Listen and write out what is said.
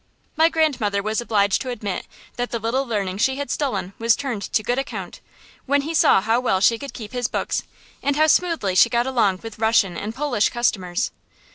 My grandfather was obliged to admit that the little learning she had stolen was turned to good account, when he saw how well she could keep his books, and how smoothly she got along with Russian and Polish customers.